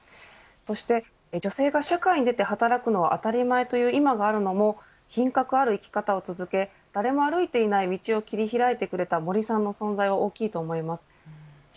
そして、女性が社会に出て働くのが当たり前という今があるのも品格ある生き方を続け誰も歩いていない道を切り開いてくれた森さんの存在は大きいと思います。